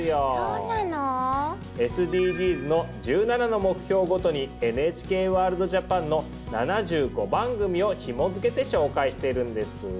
ＳＤＧｓの１７の目標ごとに「ＮＨＫワールドＪＡＰＡＮ」の７５番組をひもづけて紹介してるんです。